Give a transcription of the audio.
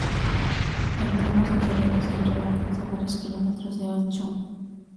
En tramos inferiores, el río alcanza varios kilómetros de ancho.